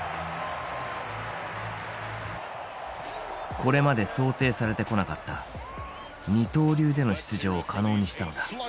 これまで想定されてこなかった二刀流での出場を可能にしたのだ。